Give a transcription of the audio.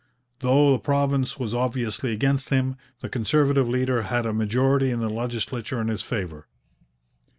Though the province was obviously against him, the Conservative leader had a majority in the legislature in his favour.